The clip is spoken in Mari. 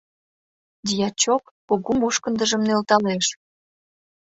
Дьячок кугу мушкындыжым нӧлталеш: